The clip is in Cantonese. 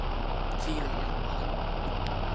知你又問?